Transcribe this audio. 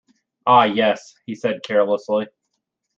"Ah, yes," he said, carelessly.